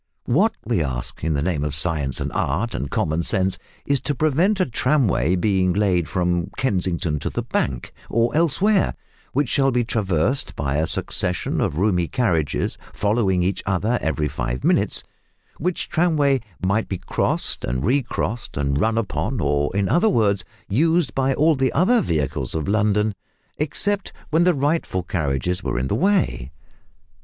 What, we ask, in the name of science and art and common sense, is to prevent a tramway being laid from Kensington to the Bank, "or elsewhere," which shall be traversed by a succession of roomy carriages following each other every five minutes; which tramway might be crossed and recrossed and run upon, or, in other words, used by all the other vehicles of London except when the rightful carriages were in the way?